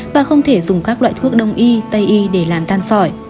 và không thể dùng các loại thuốc đông y tây y để làm tan sỏi